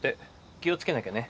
気を付けなきゃね。